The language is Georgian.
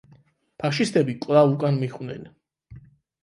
ფაშისტები კვლავ უკან მიჰყვნენ.